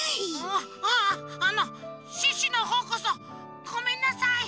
あのシュッシュのほうこそごめんなさい。